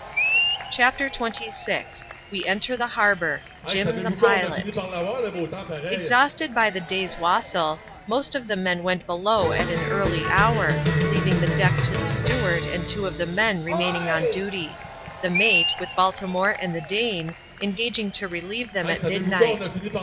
9S ADVENTURES IN THE SOUTH SEAS, [chap.xxvl CHAPTER XXVL We enter the harbour — Jim the pilot Exhausted by the day's wassail, most of the men went below at an early hour, leaving the deck to the steward and two of the men remaining on duty ; the mate, with Baltimore and the Dane, engaging to relieve them at midnight.